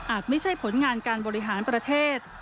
ไม่ใช่ผลงานการบริหารประเทศ